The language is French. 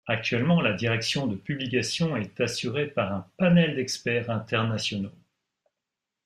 Actuellement, la direction de publication est assurée par un panel d'experts internationaux.